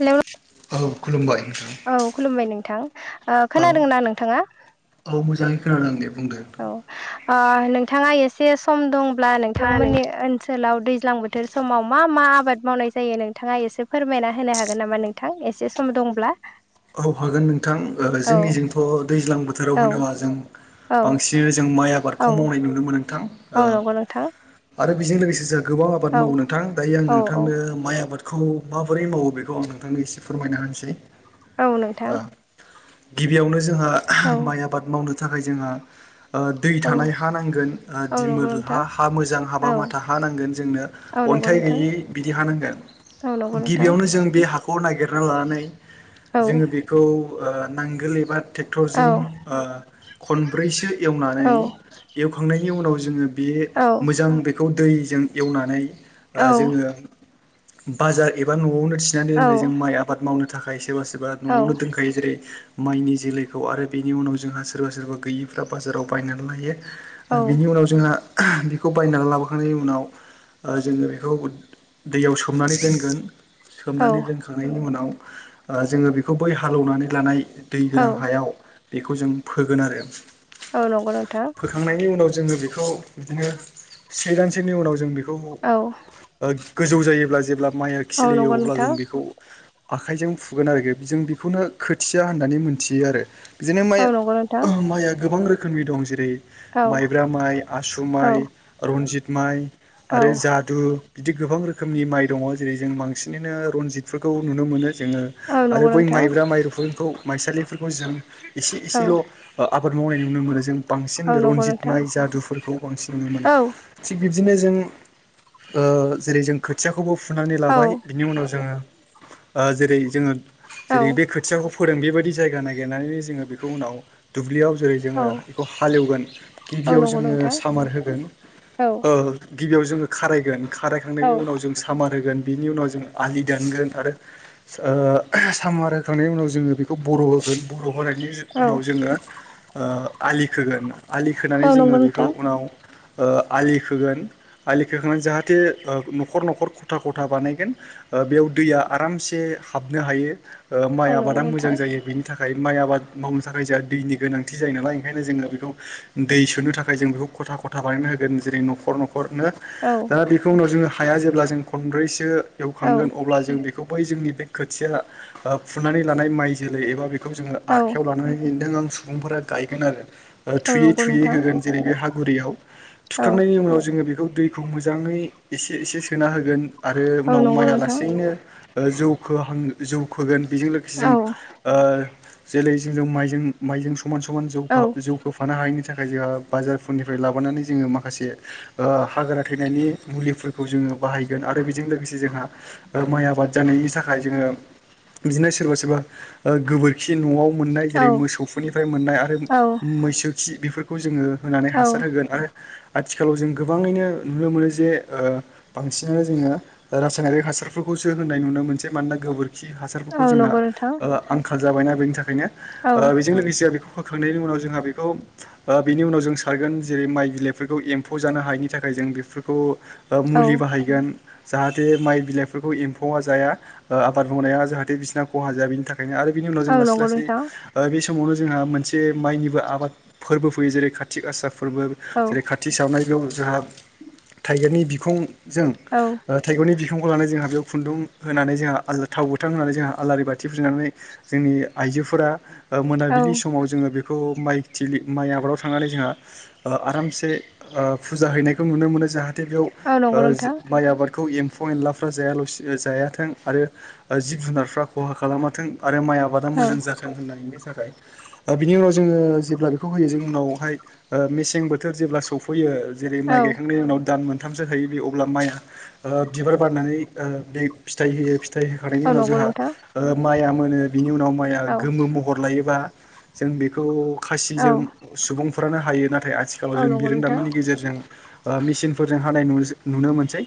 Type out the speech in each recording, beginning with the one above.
Hello औ खुलुमबाय नोंथां औ खुलुमबाय नोंथां ओ औ खोनादोंना नोंथाङा? औ मोजाङै खोनादों दे बुंदो नोंथां। औ ओ नोंथाङा एसे सम दंब्ला लानै नोंथांमोननि ओन सोलाव दैज्लां बोथोर समाव मा मा आबाद मावनाय जायो नोंथाङा एसे फोरमायना होनो हागोन नामा नोंथां? एसे सम दंब्ला औ हागोन नोंथां औ जोंनिजोंथ' दैज्लां बोथोराव औ होनोबा जों औ बांसिन सिन जों माइ औ आबादखौ मावनाय नुनो मोनो नोंथां। ओ औ नंगौ नोंथां आरो बेजों लोगोसे जों गोबां आबाद औ मावो नोंथां दायो आं औ औ नोंथांनो माइ आबाद खौ माबोरै मावो बेखौ आं नोंथांनो एसे फोरमायना होनोसै। औ नोंथां ओ गिबियावनो जोंहा औ माइ आबाद मावनो थाखाय जोंहा दै औ थानाय हा नांगोन औ नंगौ दिमोल हा नोंथां हा मोजां हाबा औ माथा हा नांगोन जोंनो औ नंगौ अन्थाइ नोंथां गैयै बिदि हा नांगोन औ नंगौ नोंथां गिबियावनो जों बे हाखौ नागिरना लानानै औ जोङो बेखौ ओ नांगोल एबा औ ट्रेक्टरजों ओ खनब्रैसो एवनानै औ एवखांनायनि उनाव जोङो बेयो औ मोजां बेखौ दैजों एवनानै औ ओ जोङो बाजार एबा न'वावनो थिनानै दोननाय जों माइ आबाद मावनो थाखाय सोरबा सोर बा न'वावनो दोनखायो जेरै माइनि जोलैखौ आरो बेनि उनाव जोंहा सोरबा सोरबा गैयिफ्रा बाजाराव बायनानै औ लायो। बिनि उनाव जोंहा बेखौ बायनानै लाबोखांनायनि उनाव ओ जोङो बेखौ दैयाव सोमनानै दोनगोन औ सोमनानै दोनखांनायनि उनाव ओ जोङो बेखौ बै हालौवनानै लानाय दै गोनां औ हायाव बेखौ जों फोगोन आरो। औ नंगौ नोंथां फोखांनायनि उनाव जोङो बेखौ बिदिनो से दानसेनि उनाव जों बे खौ औ गोजौ जायोब्ला जेब्ला माइआ औ खिलियो नंगौ अब्ला नोंथां जों बेखौ आखाइजों फुगोन आरोखि जों बेखौनो खोथिया होननानै मिथियो आरो। बिदिनो माइ औ नंगौ नोंथां माइआ गोबां रोखोमनि दं जेरै औ माइब्रा माइ आसु औ माइ रन्जित माइ औ आरो जादु बिदि गोबां रोखोमनि माइ दङ जेरै जों बांसिनैनो रनजितफोरखौ नुनो मोनो जोङो औ आरो नंगौ बै नोंथां माइब्रा माइरुफोरखौ माइसालिफोरखौ जों एसे औ एसेल ओ आबाद मावनाय नुनो मोनो जों बांसिन बे औ नंगौ रनजित नोंथां माइ जादुफोरखौ बांसिन नुनो मोनो। औ थिग बिबदिनो जों जेरै जों खोथियाखौबो फुनानै औ लाबाय बिनि उनाव जोङो जेरै जोङो औ जेरै बे खोथियाखौ फोदों बेबाय दि जायगा नागिरनानै जोङो बेखौ उनाव दुब्लियाव जेरै औ जोङो बेखौ हालेवगोन औ गिबियाव नंगौ जोङो नोंथां सामार होगोन। औ गिबियाव जोङो खारायगोन औ खारायखांनायनि उनाव जों सामार होगोन बेनि उनाव जों आलि दानगोन आरो सामार होखांनायनि उनाव जोङो बेखौ बर' होगोन बर' होनायनि औ उनाव जोङो आलि खोगोन आलि खोनानै औ जोङो नंगौ बेखौ नोंथां उनाव आलि खोगोन आलि खोखांनानै जाहाथे न'खर न'खर खथा खथा बानायगोन। बेयाव दैया आरामसे हाबनो हायो माइ औ नंगौ आबादा नोंथां मोजां जायो बेनि थाखाय माइ आबाद मावनो थाखाय जोंहा दैनि गोनांथि जायो नालाय ओंखायनो जोंङो बेखौ दै सोनो थाखाय जों बेखौ खथा खथा बानाय होगोन जेरै नखर नखर हरनो औ दा बेखौ उनाव जोङो हाया जेब्ला जों खनब्रैसो औ एवखांगोन अब्ला जों बेखौ जोंनि बे खोथिया फुनानै लानाय माइ जोलै एबा जोङो औ आखयाव नों आं सुबुंफोरा गायोन आरो औ नंगौ नोंथां होगोन। जेरै गुरैयाव औ थुखांनायनि उनाव जोङो बेखौ दैखौ मोजाङै एसे एसे सोना होगोन। आरो औ उनाव नंगौ माइआ नोंथां लासेैनो जौहां जौखोगोन। बेजों लोगोसे औ जों जेरै जों माइजों माइजों समान समान औ जौफा जौगोफानो हायिनि थाखाय थाखाय जोंहा बाजारफोरनिफ्राय लाबोनानै जोङो माखासे हाग्रा थैनायनि मुलिफोरखौ जोङो बाहायगोन आरो बेजों लोगोसे जोंहा माइ आबाद जानायनि थाखाय नाथाय जोङो बिदिनो सोरबा सोरबा गोबोरखि न'आव मोननाय औ जेरै मोसौफोरनिफ्राय मोननाय आरो औ मैसो खि बेफोरखौ जोङो। होनानै औ हासार होगोन आरो। आथिखालाव जों गोबाङैनो नुनो मोनो जे बांसिनानो जोङो रासायनारिक हासारफोरखौ। खौसो होननाय नुनो मोनसे मानोना गोबोरखि हासारफोरखौ औ जोंहा नंगौ नोंथां आंखाल जाबायना बेनि थाखायनो। औ बेजों लोगोसे बेखौ फोखांनायनि उनाव जोंहा बेखौ बेनि उनाव जों सारगोन जेरै माइ बिलाइफोरखौ एम्फौ जानो हायैनि थाखाय‌ जों बेफोरखौ औ मुलि बाहायगोन जाहाथे माइ बिलाइफोरखौ एम्फौ जाया। आबाद मावनाया जाहाथे बिसिना खहा जाया बेनि थाखायनो आरो बिनि उनाव जों औ लासै नंगौ लासै नोंथां बे समावनो। जोंहा मोनसे माइनिबो आबाद फोरबो फैयो जेरै कातिगासा फोरबो औ जेरै काति सावनाय। जोंहा थाइगिरनि बिखंजों औ थाइगनि बि खौ लानानै जोंहा बेयाव खुन्दुं होनानै जोंहा थाव बुथां होनानै जोंहा आलारि बाथि। फनानै जोंनि आइजोफोरा औ मोनाबिलि समाव जोङो बे बे माइ आबादाव थांनानै जोंहा आरामसे फुजा हैनायखौ नुनो मोनो जाहाथे। जाथे औ नंगौ नोंथां बेयाव माइ आबादखौ एम्फौ एनलाफ्रा जायाला जायाथों आरो। जिब जुनारफ्रा खहा खालामाथों आरो माइ आबादा औ मोजां जाथों होननानै बे थाखाय बिनि उनाव जोङो जेब्ला बेखौ होयो जों उनावहाय मेसें बोथोर जेब्ला सौफैयो। जेरै माइ औ गायखांनायनि उनाव दान मोन मोनथामसो होयो बे अब्ला माइआ बिबार बारनानै बे फिथाइ होयो। फिथाइ होखांनायनि औ उनाव नंगौ जोंहा नोंथां माइआ मोनो बिनि उनाव माइआ औ गोमो महर लायोबा। जों बेखौ औ खासिजों सुबुंफ्रानो हायो नाथाय। नाथाय आथिखालाव औ जों नंगौ नोंथां बिरोनदामिनि गेजेरजों मेसिनफोरजों हानाय नु- नुनो मोनसै।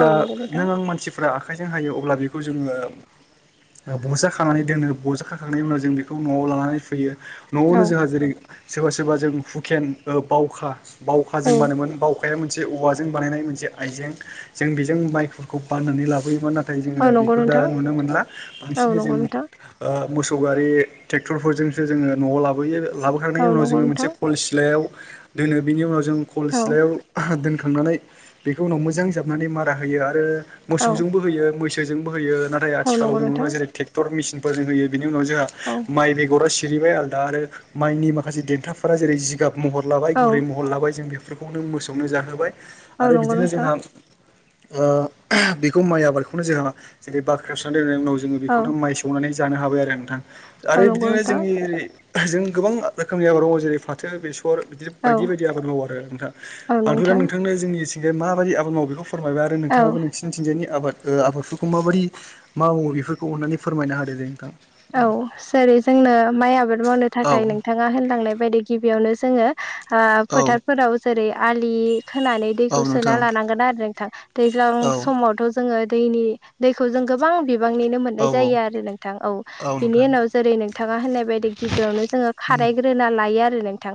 औ नंगौ नोंथां नों आं मानसिफ्रा आखाइजों हायो अब्ला बे बेखौ जोङो बज खानानै दोनो बजाखाखांनायनि उनाव जों बेखौ न'आव लानानै फैयो। औ न'आवनो जोंहा जेरै सोरबा सोरबा जों हुखेन बावखा बावखा औ जों बानोमोन बावखा बाउखाया मोनसे औवाजों बानायनाय मोनसे आइजें जों बेजों माइ फोरखौ बान्नानै लाबोयोमोन नाथाय औ जोङो नंगौ बेखौ दा नोंथां नुनो मोनला औ बांसिनै जों नंगौ नोंथां मोसौ गारि ट्रेक्टरफोरजोंसो जोङो न'आव लाबोयो औ लाबोखांनायनि उनाव नंगौ जोङो मोनसे नोंथां खल सिलायाव। दोनो बिनि उनाव जों खल औ सिलायाव दोन थांनानै बेखौ उनाव मोजां जाबनानै मारा होयो आरो औ मोसौजोंबो होयो मैसोजोंबो होयो। नाथाय औ आथिखालाव नंगौ ङो नोंथां जेरै ट्रेक्टर मेसिनफोरों होयो बेनि उनाव जोंहा औ माइ बेगरा। जेरैबाय आलदा आरो माइनि माखासे देनथाफोरा जेरै जिगाब महर लाबाय औ गुरै महर लाबाय जों बे। बेफोरखौ नों मोसौनो जाहोबाय औ आरो नंगौ बिदिनो नोंथां जोंहा। बेखौ माइ आबादखौनो जोंहा जेरै बाख्रि सोनानै दोननायनि उनाव जोङो औ बेखौनो माइ सौनानै। जानो हाबाय आरो नोंथां आरो औ नंगौ बिदिनो नोंथां जोंनि। जों गोबां रोखोमनि आबादाव जेरै फाथो बे सम बिदि औ बायदि बायदि आबाद मावो आरो नोंथा औ आंथ' दा नोंथां नोंथांनो जोंनिथिंगायाव माबायदि आबाद मावो बेखौ। फोरमायबाय आरो औ नोंथाङाबो नोंसिनिथिंजायनि आबाद आबादखौ खौ माबायदि मा मावुङो बेफोरखौ अन्नानै फोरमायना हादोंदों जे नोंथां औ जेरै जोंनो माइ आबाद मावनो औ थाखाय नोंथाङा होनलांनाय बायदि गिबियावनो जोङो औ फोथारफोराव जेरै आलि खोनानै औ दैखौ सोना नोंथां लानांगोन आरो। दैज्लां औ समावथ' जोङो दैनि दैखौ जों गोबां। बिबांनिनो औ मोननाय जायो आरो नोंथां औ। बिनि उनाव जेरै नोंथाङा होननाय बायदि गिबियावनो जोङो खारायग्रोना लायो आरो नोंथां।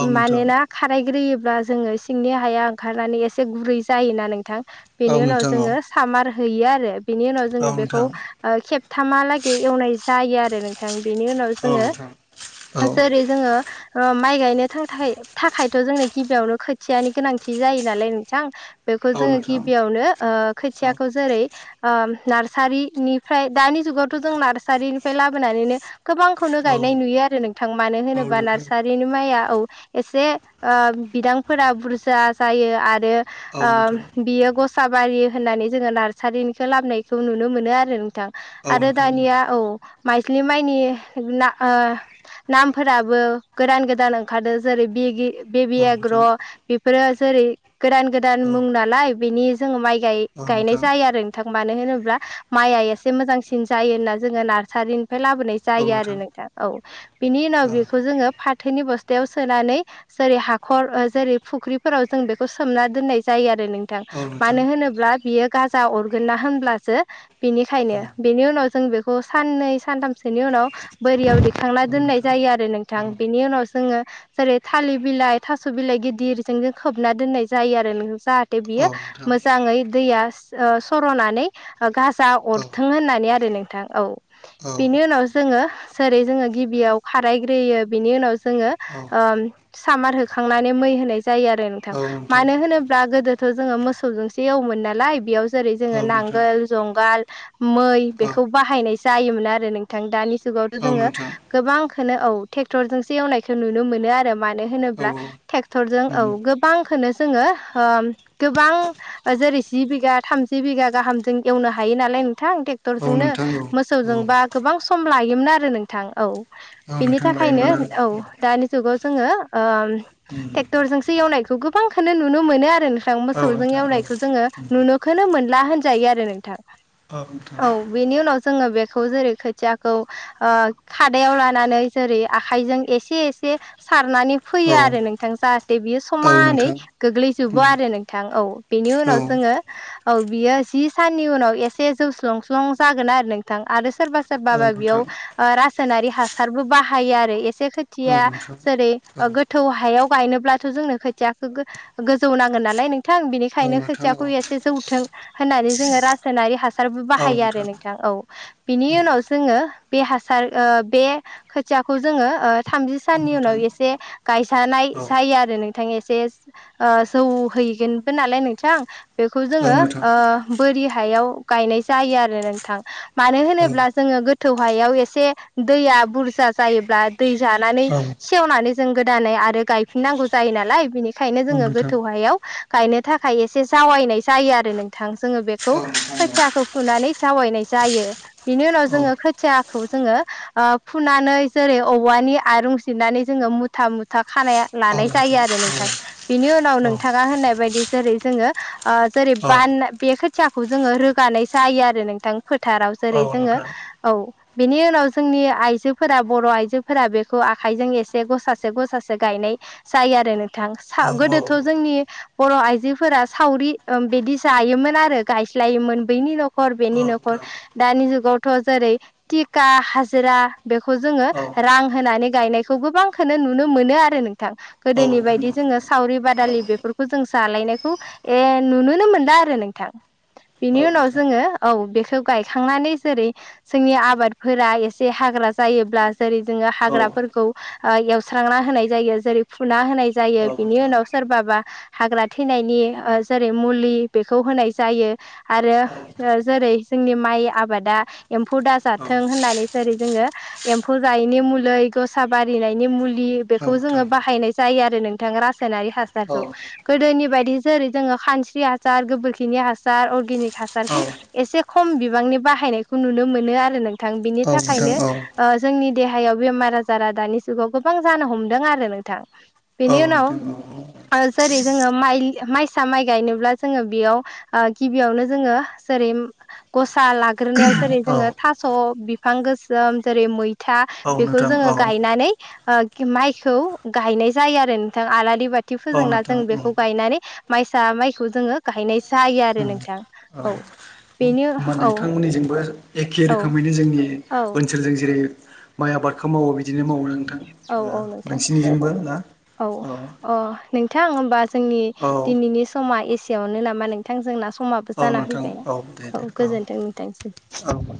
औ नोंथां मानोना खारायग्रोयो ब्ला जोङो सिंनि हाया ओंखारनानै एसे गुरै जायोना नोंथां बेनि औ उनाव नोंथां जोङो सामार हैयो आरो बिनि उनाव औ जोङो बेखौ नोंथां खेबथामहालागै एवनाय जायो आरो नोंथां। बेनि उनाव औ जोङो नोंथां औ जेरै जोङो। अ माइ गायनो थाखाय थाखायथ' जोंनो गिबियावनो खोथियानि गोनांथि जायो नालाय नोंथां बेखौ औ जोङो नोंथां गिबियावनो औ खोथियाखौ जेरै नार्सारिनिफ्राय दानि जुगावथ' जों नार्सारिनिफ्राय लाबोनानैनो गोबांखौनो औ गायनाय नुयो आरो नोंथां मानो औ होनोबा नोंथां नार्सारिनि माइआ औ एसे बिदांफोरा बुरजा जायो आरो औ नोंथां बियो गस सा बारियो होननानै जोङो नार्सारिनिखौ लाबनायखौ नुनो मोनो आरो नोंथां। औ आरो नोंथां दानिया औ माइज्लि माइनि ना ओ नामफोराबो गोदान गोदान ओंखारदों जेरै बिगि बेबि औ एग्र' नोंथां बेफोरो जेरै गोदान गोदान औ मुं नालाय बेनि जोंङो माइ गाय औ गायनाय नोंथां जायो आरो नोंथां मानो होनबा माइआ इसे मोजांसिन जायो होनना जोङो नार्सारिनि फ्राय लाबोनाय जायो आरो नोंथां औ बिनि उनाव औ बेखौ जोङो फाथोनि बस्था थायाव सोनानै जेरै हाखर जेरै फुख्रिफोराव जों बेखौ सोमना दोननाय जायो आरो। नोंथां औ नोंथां मानो होनोब्ला बियो गाजा अरगोन ना होनब्लासो। बेनिखायनो औ बेनि उनाव जों बेखौ साननै सानथाम ससेनि उनाव बोरियाव दैखांना दोननाय नोंथां जायो आरो नोंथां औ बेनि उनाव जोङो जेरै थालिर बिलाइ थास' बिलाइ गिदिरजों जों खोबना दोननाय जायो आरो जाहा थे बियो औ नोंथां मोजै दैया ओ सरनानै गाज जा औ अरथों होननानै आरो नोंथां औ औ बेनि उनाव जोङो जेरै जोङो गिबियाव खारायग्रोयो बिनि उनाव जोङो औ ओ सामार होखांनानै मै होनाय जायो आरो नोंथां मानो होनोब्ला गोदो ' गोदो थ जोङो मोसौजोंसो एवोमोन नालाय बेयाव जेरै जोङो औ नोंथां नांगोल जुंगाल मै बे औ खौ बाहायनाय जायोमोन आरो नोंथां दानि जुगावथ' औ जोङो नोंथां गोबांखौनो औ ट्रेक्टर जोंसो एवनायखौ नुनो मोनो आरो मानो औ होनोब्ला ट्रेक्टर जों औ उम गोबांखौनो जोङो गोबां जेरै जि बिगा थामजि बिगा गाहामजों एवनो हायो नालाय। नोंथां औ ट्रेक्टरजोंनो नोंथां औ मोसौजोंबा गोबां सम लायोमोन आरो नोंथां औ। औ बिनि नोंथां थाखायनो लायोमोन आरो औ दानि जुगाव जोङो उम ट्रेक्टरजोंसो एवनायखौ गोबांखौ नुनो मोनो आरो नों थां औ मोसौजों नोंथां औ एवनायखौ जोङो उम नुनोखौोनो मोनला होनजायो आरो नोंथां। अ औ बेनि उनाव जोङो बे खौ जेरै खोथियाखौ खादायाव लानानै जेरै आखाइजों एसे एसे खारनानै फैयो औ आरो नोंथां जाहाथे बियो औ समानै नोंथां गोग्लैजोबो उम आरो नोंथां औ बेनि औ उनाव जोङो औ बियो जि साननि उनाव एसे जौस्लंस्लं जागोन आरो नोंथां आरो सोरबा सोरब औ बा बेयाव नोंथां रासायनारि हासारबो बाहायो आरो। खसे औ खोथिया नोंथां जेरै औ गोथौ हायाव बायनोब्लाथ' जोंनो खोथियाखौ गोजौ नांगोन नालाय नों थां औ बिनिखायनो नोंथां खोथियाखौ औ एसे जौथों होननानै जोङो रासायनारि हासारबो बाहायो आरो नोंथां औ बिनि औ उनाव जोङो बे हासार बे खोथियाखौ जोङो ओ थामजि औ साननि उनाव नोंथां एसे गायसानाय औ जायो आरो नोंथां एसे जौहैगोनसो नालाय नोंथां बेखौ औ नोंथां जोङो बोरि हायाव गायनाय जायो आरो नोंथां। मानो औ होनोब्ला जोङो गोथौ हायाव एसे दैया बुरजा जायोब्ला दै जानानै औ सेवनानै जों गोदानै आरो गायफिननांगौ जायो नालाय बिनि खायनो जोङो नोंथां गोथौ हायाव गायनो थाखाय एसे जावायनाय जायो आरो नोंथां। जोङो बेखौ औ नोंथां खोथियाखौ फुनानै जावायनाय जायो बिनि उनाव औ औ जोङो खोथिया खौ जोङो ओ फुनानै जेरै औवानि आरुं सिरनानै जोङो मुथा मुथा खानाया औ लानाय जायो नोंथां आरो नोंथां बिनि उनाव औ नोंथाङा होननाय बायदि जेरै जोङो ओ जेरै औ बान बे खोथियाखौ जोङो रोगानाय जायो आरो नोंथां फोथाराव औ जेरै नोंथां औ नोंथां औ नोंथां औ नोंथां औ नोंथां औ नोंथां औ नोंथां औ नोंथां जोङो औ बेनि उनाव जोंनि आइजोफोरा बर' आइजोफोरा बेखौ आखाइजों एसे गसासे गसासे गायनाय जायो आरो नोंथां सा औ गोदोथ' जोंनि बर' आइजोफोरा सावरि ओ बिदि जायोमोन आरो गायस्लायोमोन बैनि न' खर बेनि न'खर दानि जुग गावथ' जेरै टिखा हाजिरा बेखौ जोङो रां होनानै गायनायखौ गोबां खो नुनो मोनो आरो नोंथां गोदोनि नोंथां औ बायदि जोङो नोंथां सावरि बादालि बेफोरखौ जों जालायनायखौ ए नुनोनो मोनला आरो नोंथां बिनि उन उनाव जोङो औ बेखौ गायखांनानै जेरै जोंनि आबादफोरा एसे हाग्रा जायो ब्ला जेरै जोङो हाग्राफोरखौ ओ एवस्रांना होनाय जायो जेरै फुना होनाय जायो बिनि उनाव सोरबाबा हाग्रा थैनायनि ओ जेरै मुलि बेखौ होनाय जायो आरो ओ जेरै जोंनि माइ आबादा एम्फौ दाजाथों होननानै जेरै जोङो एम्फौ जायैनि मुलै गसा बारिनायनि मुलि बेखौ जोङो बाहायनाय जायो आरो नोंथां रा रासायनारि हासारखौ गोदोनि बायदि जेरै जोङो खानस्रि हासार गोबोरखिनि हासार अर्गे निक हासारखौ एसे खम बिबांनि बाहायनायखौ नुनो मोनो आरो नों थां बिनि थाखायनो ओ जोंनि देहायाव बेमार आजारा दानि जुगाव गोबां जानो हमदों आरो नोंथां बेनि उनाव ओ जेरै जोङो माइसा माइ गायनोब्ला जोङो बेयाव ओ गिबियावनो जोङो जेरै गसा लाग्रोनायाव जेरै जोङो थास' बिफां गोसोम जेरै मै था उम बेखौ जोङो गायनानै ओ माइखौ गायनाय जायो आरो नोंथां आलारि बाथि फोजोंना जों बेखौ गायनानै माइसा माइखौ जोङो गाहायनायसो जायो आरो उम नोंथां औ बेनो होमबा औ नोंथांमोननिजोंबो एखे औ रोखोमैनो जोंनि औ ओनसोलजों जेरै माइ आबादखौ मावो बिदिनो मावो नों औ औ नोंथां औ अ नोंथां होमबा जोंनि औ दिनैनि समा एसेयावनो नामा नोंथां जोंना समाबो औ जाना नोंथां फैबाय औ दे दे औ गोजोनथों नोंथांसिम औ